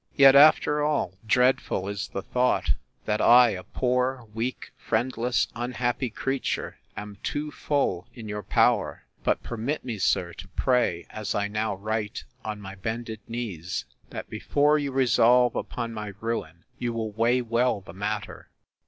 Yet, after all, dreadful is the thought, that I, a poor, weak, friendless, unhappy creature, am too full in your power! But permit me, sir, to pray, as I now write on my bended knees, That before you resolve upon my ruin, you will weigh well the matter.